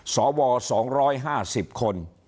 สว๒๕๐คน